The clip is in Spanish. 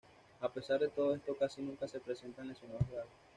A pesar de todo esto casi nunca se presentan lesionados graves.